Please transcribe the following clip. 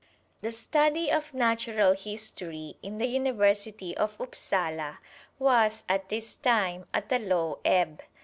The study of Natural History in the University of Upsala was, at this time, at a low ebb.